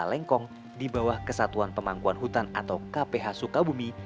lengkong di bawah kesatuan pemangkuan hutan atau kph sukabumi